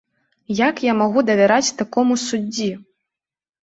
Як я магу давяраць такому суддзі?